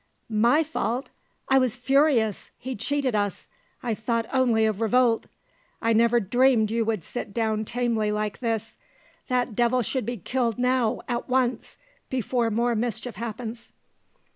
"My fault! I was furious, he cheated us, I thought only of revolt. I never dreamed you would sit down tamely like this. That devil should be killed now, at once, before more mischief happens."